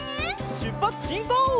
しゅっぱつしんこう！